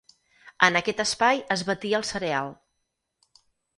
En aquest espai es batia el cereal.